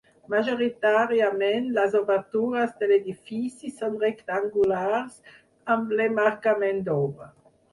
Majoritàriament, les obertures de l'edifici són rectangulars, amb l'emmarcament d'obra.